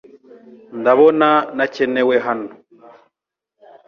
Ndabona ntakenewe hano .